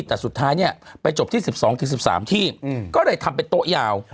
แต่สุดท้ายเนี่ยไปจบที่๑๒๑๓ที่ก็เลยทำเป็นโต๊ะยาว